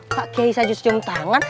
pakai cium tangan pakai ciai sama dia